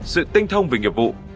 sự tinh thông về nghiệp vụ